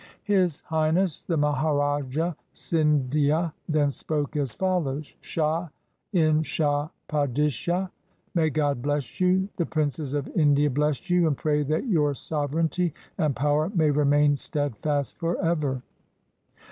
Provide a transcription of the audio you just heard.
His Highness the Maharaja Sindhia then spoke as follows: *'Shah in Shah Padishah. May God bless you. The princes of India bless you, and pray that your sov ereignty and power may remain steadfast forever."